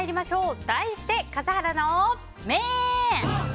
題して笠原の眼！